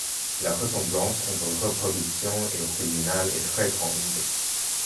La ressemblance entre reproduction et original est très grande.